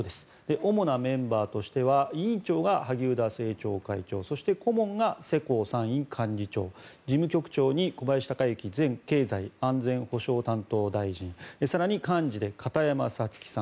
主なメンバーとしては委員長が萩生田政調会長そして顧問が世耕参院幹事長事務局長に小林鷹之前経済安全保障担当大臣更に、感じで片山さつきさん